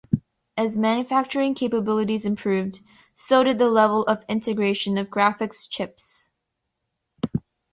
As manufacturing capabilities improved, so did the level of integration of graphics chips.